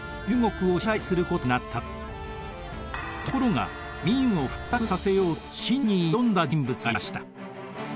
ところが明を復活させようと清に挑んだ人物がいました。